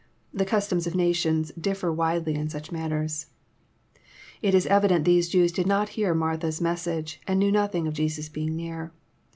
The customs of nations differ widely in such matters. It is evident these Jews did not hear Martha's message, and knew nothing of Jesus being near.